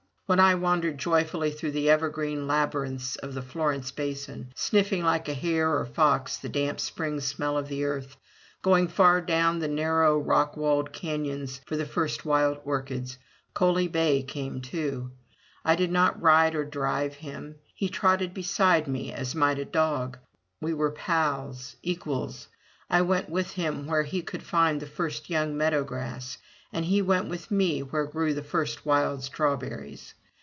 When I wandered joyfully through the evergreen labyrinths of the Florence Basin, sniffing like a hare or fox the damp spring smell of the earth, going far down the narrow, rock walled canyons for the first wild orchids. Coaly bay came, too. I did not ride or drive him. He trotted beside me as might a dog. We were pals, equals. I went with him where he could find the first young meadow grass, and he went with me where grew the first wild strawberries.